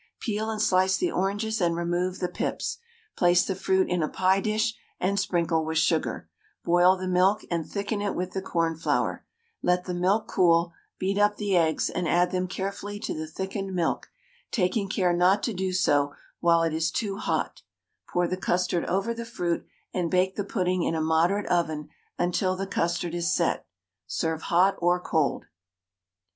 Peel and slice the oranges and remove the pips, place the fruit in a pie dish, and sprinkle with sugar; boil the milk, and thicken it with the cornflour; let the milk cool, beat up the eggs, and add them carefully to the thickened milk, taking care not to do so while it is too hot; pour the custard over the fruit, and bake the pudding in a moderate oven until the custard is set. Serve hot or cold.